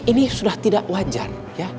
ini sudah tidak wajar